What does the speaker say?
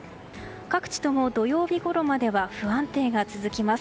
各地とも土曜日ごろまでは不安定が続きます。